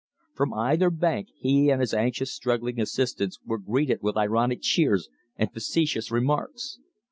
From either bank he and his anxious struggling assistants were greeted with ironic cheers and facetious remarks.